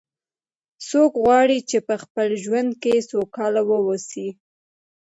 څوک غواړي چې په خپل ژوند کې سوکاله و اوسي